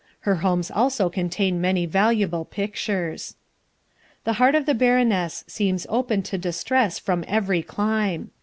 Her homes also contain many valuable pictures. The heart of the Baroness seems open to distress from every clime.